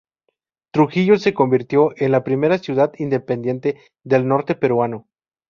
Trujillo se convirtió en la primera ciudad independiente del norte peruano.